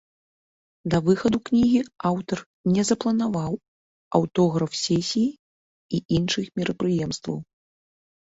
Да выхаду кнігі аўтар не запланаваў аўтограф-сесій і іншых мерапрыемстваў.